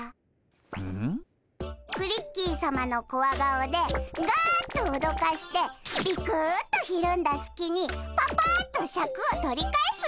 クリッキーさまのコワ顔でガッとおどかしてビクッとひるんだすきにパパッとシャクを取り返すのだ！